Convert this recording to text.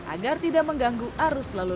agar tidak mengganggu arus laluan